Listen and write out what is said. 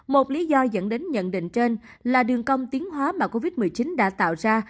một lý do dẫn đến nhận định trên là đường công tiến hóa mà covid một mươi chín đã tạo ra